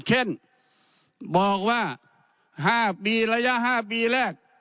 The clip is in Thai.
เช่นบอกว่า๕ปีระยะ๕ปีแรก